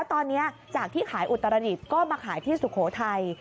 ตอนนี้จากที่ขายอุตรดิษฐ์ก็มาขายที่สุโขทัย